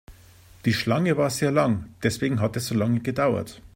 Die Schlange war sehr lang, deswegen hat es so lange gedauert.